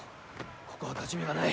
ここは勝ち目がない。